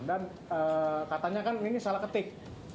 dan katanya kan ini salah ketik